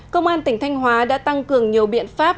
công an tỉnh thanh hóa đã tăng cường nhiều biện pháp